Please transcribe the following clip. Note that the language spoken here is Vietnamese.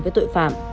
với tội phạm